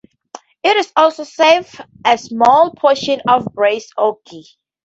It also serves a small portion of Brays Oaks.